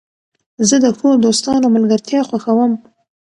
زه د ښو دوستانو ملګرتیا خوښوم.